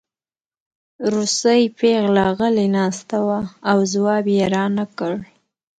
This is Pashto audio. روسۍ پېغله غلې ناسته وه او ځواب یې رانکړ